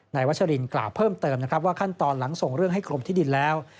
วัชรินกล่าวเพิ่มเติมนะครับว่าขั้นตอนหลังส่งเรื่องให้กรมที่ดินแล้ว